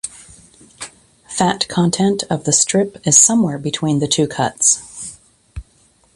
Fat content of the strip is somewhere between the two cuts.